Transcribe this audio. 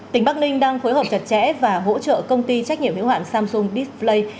tỉnh bắc ninh đang phối hợp chặt chẽ và hỗ trợ công ty trách nhiệm hữu hoạn samsung display